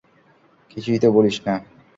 কিছুই তো বলিস না।